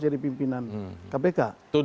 jadi pimpinan kpk